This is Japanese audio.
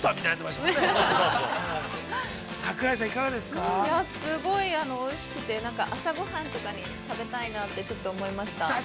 ◆すごいおいしくて、朝ごはんとかに食べたいなって、ちょっと思いました。